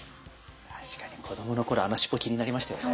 確かに子どもの頃あの尻尾気になりましたよね。